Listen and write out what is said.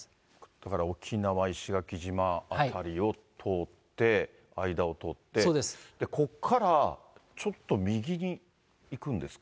だから沖縄・石垣島辺りを通って、間を通って、ここからちょっと右に行くんですか？